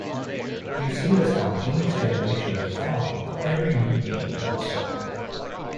You see the spontaneous generation of mythology with every new name that is formed.